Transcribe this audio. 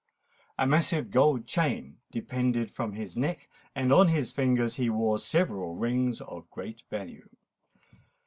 A massive gold chain depended from his neck; and on his fingers he wore several rings of great value.